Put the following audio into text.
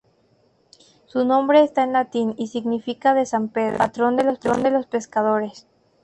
Su nombre está en Latín y significa "de san Pedro", patrón de los pescadores.